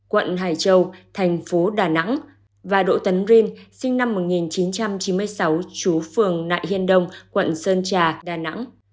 quận hải châu thành phố đà nẵng và đỗ tấn rin sinh năm một nghìn chín trăm chín mươi sáu chú phường nại hiên đông quận sơn trà đà nẵng